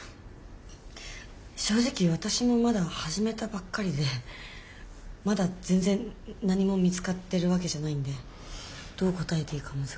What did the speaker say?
正直私もまだ始めたばっかりでまだ全然何も見つかってるわけじゃないんでどう答えていいか難しいんですけど。